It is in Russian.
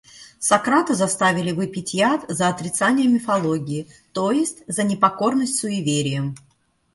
Сократа заставили выпить яд за отрицание мифологии, то есть за непокорность суевериям.